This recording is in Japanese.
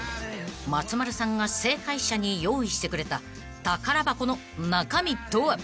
［松丸さんが正解者に用意してくれた宝箱の中身とは？］